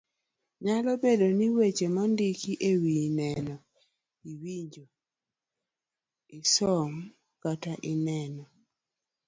Nyalo bedo ni wach mindiko ewiye nene iwinjo, isomo kata ineno.